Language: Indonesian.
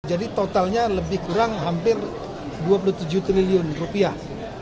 jadi totalnya lebih kurang hampir dua puluh tujuh triliun rupiah